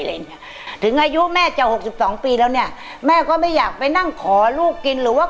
อะไรอย่างเงี้ยถึงอายุแม่จะหกสิบสองปีแล้วเนี่ยแม่ก็ไม่อยากไปนั่งขอลูกกินหรือว่า